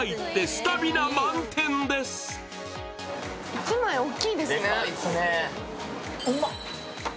１枚大きいですね。